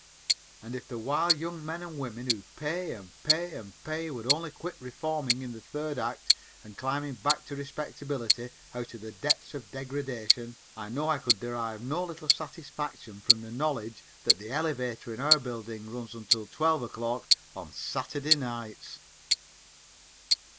And if the wild young men and the women who pay and pay and pay would only quit reforming in the third act and climbing back to respectability out of the depths of degradation, I know I could derive no little satisfaction from the knowledge that the elevator in our building runs until twelve o'clock on Saturday nights.